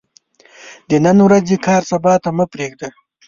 د نن ورځې کار سبا ته مه پريږده